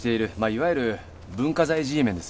いわゆる文化財Ｇメンです。